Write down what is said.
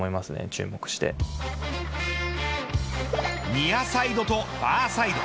ニアサイドとファーサイド。